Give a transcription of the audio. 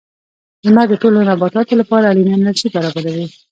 • لمر د ټولو نباتاتو لپاره اړینه انرژي برابروي.